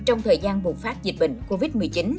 trong thời gian bùng phát dịch bệnh covid một mươi chín